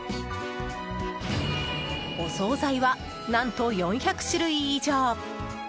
お総菜は何と４００種類以上！